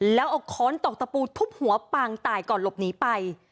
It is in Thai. แล้วเอาค้อนตอกตะปูทุบหัวปางตายก่อนหลบหนีไป